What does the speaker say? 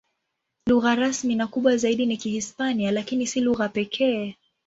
Lugha rasmi na kubwa zaidi ni Kihispania, lakini si lugha pekee.